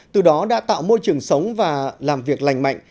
từ đó đã tạo môi trường sống và làm việc lành mạnh